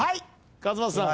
勝俣さん。